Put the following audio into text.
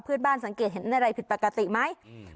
เพื่อนบ้านสังเกตเห็นอะไรผิดปกติไหมอืม